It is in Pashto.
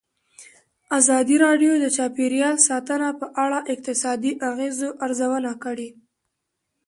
ازادي راډیو د چاپیریال ساتنه په اړه د اقتصادي اغېزو ارزونه کړې.